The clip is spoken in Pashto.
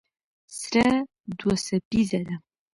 سره دوه څپیزه ده.